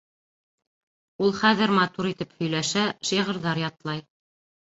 Ул хәҙер матур итеп һөйләшә, шиғырҙар ятлай.